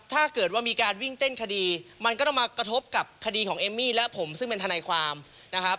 ถ้าเกิดว่ามีการวิ่งเต้นคดีมันก็ต้องมากระทบกับคดีของเอมมี่และผมซึ่งเป็นทนายความนะครับ